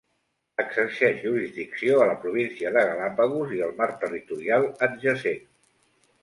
Exerceix jurisdicció a la província de Galápagos i el mar territorial adjacent.